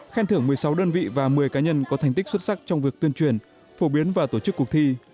khen thưởng một mươi sáu đơn vị và một mươi cá nhân có thành tích xuất sắc trong việc tuyên truyền phổ biến và tổ chức cuộc thi